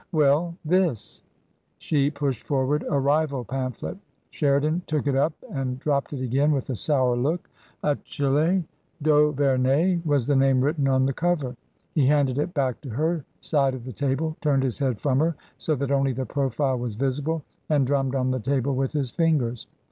Well, thisr She pushed forward a rival pamphlet Sheridan took it up and dropped it again with a sour look. " Achille 144 TRANSITION. d'Auvemey*' was the name written on the cover. He handed it back to her side of the table, turned his head from her so that only the profile was visible, and drummed on the table with his fingers.